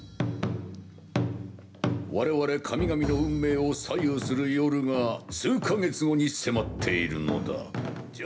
われわれ神々の運命を左右する夜が、数か月後に迫っているのだ。